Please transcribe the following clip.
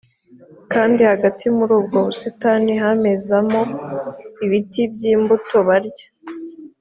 kandi hagati muri ubwo busitani hamezamo ibiti byi mbuto barya